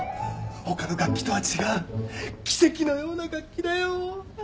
ほかの楽器とは違う奇跡のような楽器だよ。